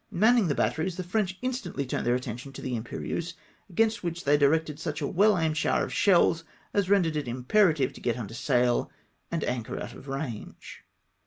Manning the bat teries, the French instantly turned their attention to the Imperieuse, against which they directed such a well aimed shower of shells as rendered it imperative to get under sail and anchor out of rang;e.